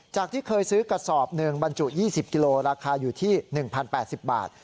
จากที่เคยซื้อกระสอบหนึ่งบรรจุยี่สิบกิโลกรัมราคาอยู่ที่หนึ่งพันแปดสิบบาท